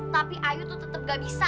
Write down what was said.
tapi ayu tuh tetap gak bisa